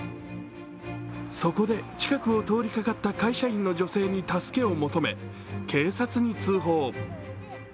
そこで近くを通り掛かった会社員の男性に助けを求め、警察に通報。